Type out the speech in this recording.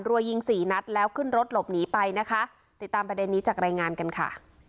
รัวยิงสี่นัดแล้วขึ้นรถหลบหนีไปนะคะติดตามประเด็นนี้จากรายงานกันค่ะ